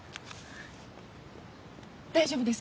大丈夫？